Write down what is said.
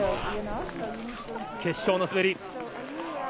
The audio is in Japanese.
決勝の滑り。